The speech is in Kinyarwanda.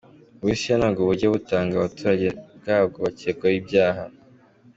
Uburusiya ntabwo bujya butanga abaturage babwo bacyekwaho ibyaha.